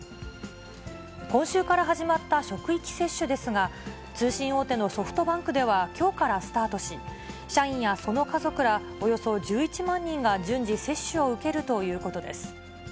今週から始まった職域接種ですが、通信大手のソフトバンクでは、きょうからスタートし、社員やその家族らおよそ１１万人が順次、接種を受けるということです。